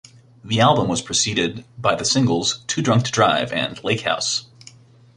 The album was proceeded by the singles "Too Drunk to Drive" and "Lake House".